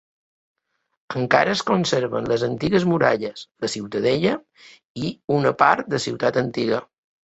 Encara es conserven les antigues muralles, la ciutadella i una part de la ciutat antiga.